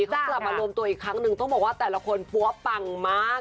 เขากลับมารวมตัวอีกครั้งนึงต้องบอกว่าแต่ละคนปั๊วปังมาก